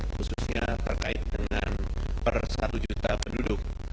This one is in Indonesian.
khususnya terkait dengan per satu juta penduduk